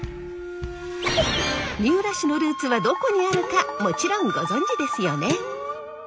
三浦氏のルーツはどこにあるかもちろんご存じですよね？